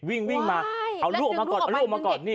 วิ่งมาเอาลูกออกมาก่อน